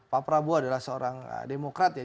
pak prabowo adalah seorang demokrat ya